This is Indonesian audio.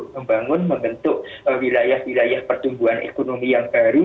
membangun membentuk wilayah wilayah pertumbuhan ekonomi yang baru